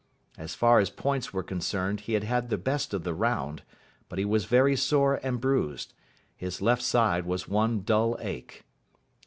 As far as points were concerned he had had the best of the round, but he was very sore and bruised. His left side was one dull ache.